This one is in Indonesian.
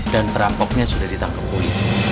dan perampoknya sudah ditangkap polisi